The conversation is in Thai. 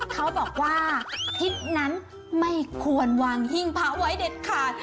เขาบอกว่าทิศนั้นไม่ควรวางหิ้งพระไว้เด็ดขาด